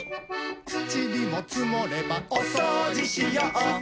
ちりもつもればおそうじしよう！